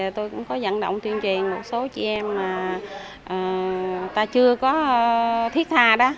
tôi cũng có dẫn động tuyên truyền một số chị em mà ta chưa có thiết tha đó